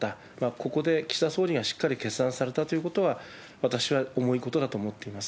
ここで岸田総理がしっかり決断されたということは、私は重いことだと思っています。